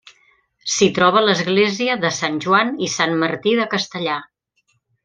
S'hi troba l'església de Sant Joan i Sant Martí de Castellar.